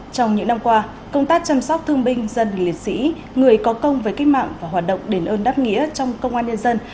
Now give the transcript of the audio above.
trong những năm qua công tác chăm sóc thương binh gia đình liệt sĩ người có công với cách mạng và hoạt động đền ơn đáp nghĩa trong công an nhân dân